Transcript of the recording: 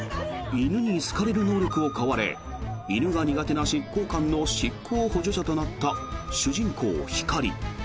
犬に好かれる能力を買われ犬が苦手な執行官の執行補助者となった主人公、ひかり。